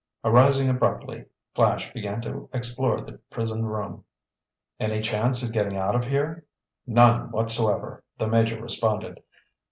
Arising abruptly, Flash began to explore the prison room. "Any chance of getting out of here?" "None whatsoever," the Major responded.